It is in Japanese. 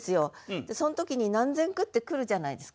でその時に何千句って来るじゃないですか。